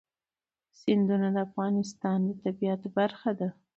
سیندونه د افغانستان د طبیعت برخه ده.